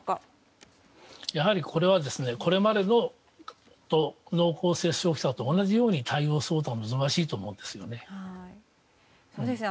やはり、これはこれまでの濃厚接触者と同じように対応することが望ましいと思うんですよね。